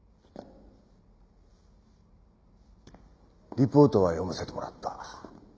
リポートは読ませてもらった。